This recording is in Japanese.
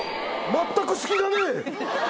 全く隙がねえ！